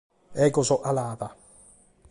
Deo so calada.